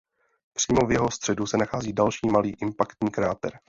Přímo v jeho středu se nachází další malý impaktní kráter.